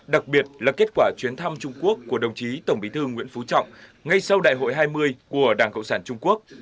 đặc biệt là kết quả chuyến thăm trung quốc của đồng chí tổng bí thư nguyễn phú trọng ngay sau đại hội hai mươi của đảng cộng sản trung quốc